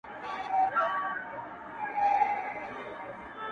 پاگل لگیا دی نن و ټول محل ته رنگ ورکوي.